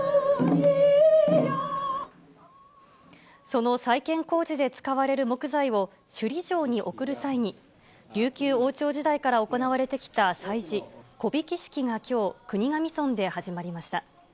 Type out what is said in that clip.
その再建工事で使われる木材を首里城に送る際に、琉球王朝時代から行われてきた祭事、木曳式がきょう、国頭村で始まりました。